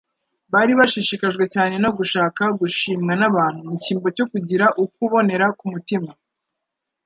Bari bashishikajwe cyane no gushaka gushimwa n'abantu mu cyimbo cyo kugira ukubonera k'umutima